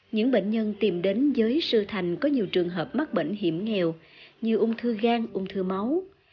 những bệnh nhân tìm đến với sư thành có nhiều trường hợp mắc bệnh hiểm nghèo như ung thư gan ung thư máu